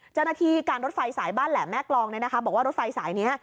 จนการรถไฟสายบ้านแหละแม่กรองนะครับบอกว่ารถไฟสายนี้